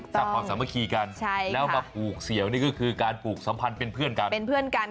สร้างความสามัคคีกันแล้วมาปลูกเสี่ยวนี่ก็คือการปลูกสัมพันธ์เป็นเพื่อนกัน